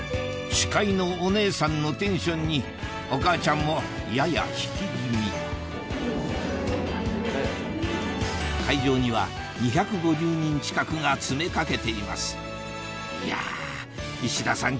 司会のお姉さんのテンションにお母ちゃんもやや引き気味会場には２５０人近くが詰め掛けていますいや石田さん